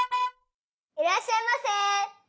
いらっしゃいませ！